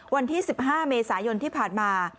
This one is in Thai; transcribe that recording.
วันที่๑๕เมษายนที่ผ่านมา